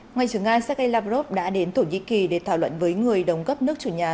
ngoại trưởng nga sergei lavrov đã đến thổ nhĩ kỳ để thảo luận với người đồng cấp nước chủ nhà